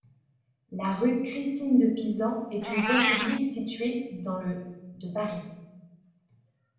La rue Christine-de-Pisan est une voie publique située dans le de Paris.